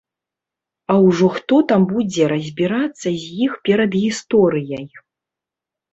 А ўжо хто там будзе разбірацца з іх перадгісторыяй?